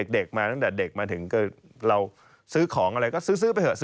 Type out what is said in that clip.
เด็กมาตั้งแต่เด็กมาถึงเราซื้อของอะไรก็ซื้อไปเถอะ